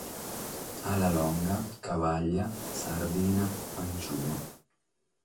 Alalonga, cavàllia, sardina, antzua.